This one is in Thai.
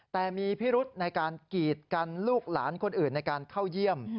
แต่มีพิรุธในการกีดกันลูกหลานคนอื่นในการเข้าเยี่ยม